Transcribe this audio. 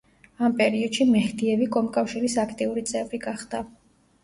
ამ პერიოდში მეჰდიევი კომკავშირის აქტიური წევრი გახდა.